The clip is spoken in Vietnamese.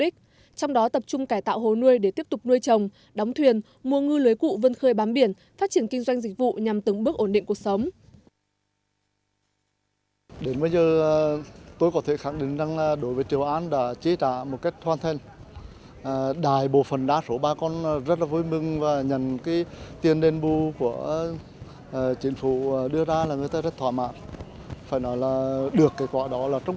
trong đó tập trung cải tạo hồ nuôi để tiếp tục nuôi trồng đóng thuyền mua ngư lưới cụ vân khơi bám biển phát triển kinh doanh dịch vụ nhằm tứng bước ổn định cuộc sống